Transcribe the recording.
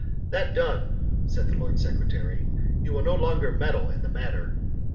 'That done,' said the lord secretary, 'you will no longer meddle in the matter.